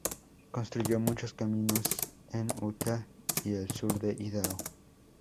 Construyó muchos caminos en Utah y el sur de Idaho.